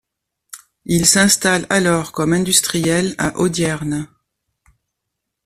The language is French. Il s'installe alors comme industriel à Audierne.